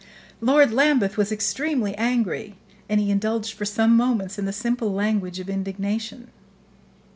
Lord Lambeth was extremely angry, and he indulged for some moments in the simple language of indignation.